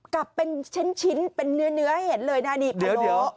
กลับเป็นเช็นชิ้นเป็นเนื้อเห็นเลยนะนี่ไฟล็อก